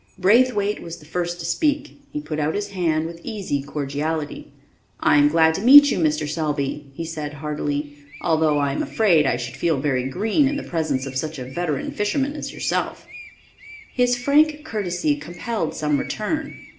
Braithwaite was the first to speak. He put out his hand with easy cordiality. "I am glad to meet you, Mr. Selby," he said heartily, "although I am afraid I should feel very green in the presence of such a veteran fisherman as yourself." His frank courtesy compelled some return.